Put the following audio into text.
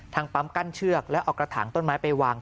ปั๊มกั้นเชือกแล้วเอากระถางต้นไม้ไปวาง